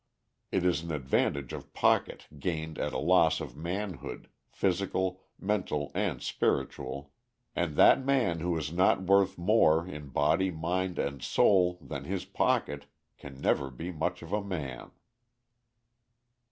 It is an advantage of pocket gained at a loss of manhood, physical, mental, and spiritual, and that man who is not worth more in body, mind, and soul than his pocket can never be much of a man.